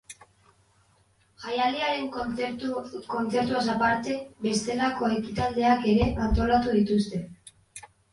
Jaialdiaren kontzertuaz aparte, bestelako ekitaldiak ere antolatu dituzte.